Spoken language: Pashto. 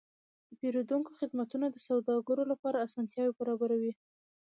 د پیرودونکو خدمتونه د سوداګرو لپاره اسانتیاوې برابروي.